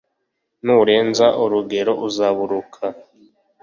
nurenza urugero, uzaburuka